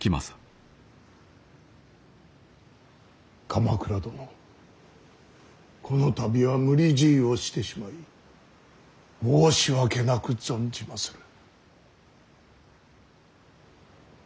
鎌倉殿この度は無理強いをしてしまい申し訳なく存じまする。